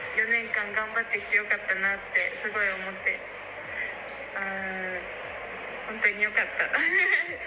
４年間頑張ってきてよかったなって、すごい思って、本当によかった。